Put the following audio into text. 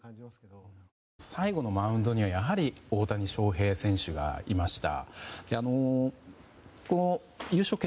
最後のマウンドにはやはり大谷翔平選手がいました。